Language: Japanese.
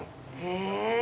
へえ。